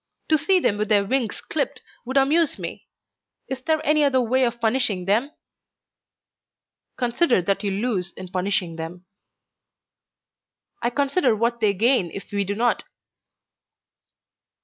To see them with their wings clipped would amuse me. Is there any other way of punishing them?" "Consider what you lose in punishing them." "I consider what they gain if we do not."